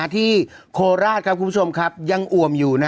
ที่โคราชครับคุณผู้ชมยังอวมอยู่